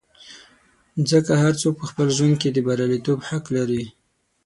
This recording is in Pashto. ځکه هر څوک په خپل ژوند کې د بریالیتوب حق لري.